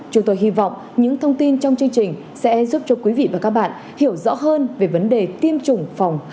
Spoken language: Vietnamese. chúng tôi hy vọng những thông tin trong chương trình sẽ giúp cho quý vị và các bạn hiểu rõ hơn về vấn đề tiêm chủng phòng